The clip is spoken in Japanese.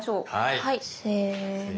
はいせの。